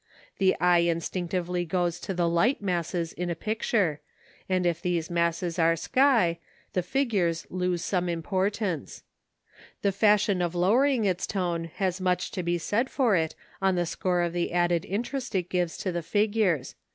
The eye instinctively goes to the light masses in a picture, and if these masses are sky, the figures lose some importance. The fashion of lowering its tone has much to be said for it on the score of the added interest it gives to the figures.